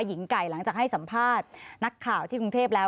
หญิงไก่หลังจากให้สัมภาษณ์นักข่าวที่กรุงเทพแล้ว